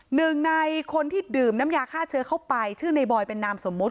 หนึ่งในคนที่ดื่มน้ำยาฆ่าเชื้อเข้าไปชื่อในบอยเป็นนามสมมุติ